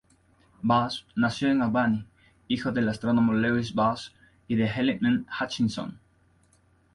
Boss nació en Albany, hijo del astrónomo Lewis Boss y de Helen M. Hutchinson.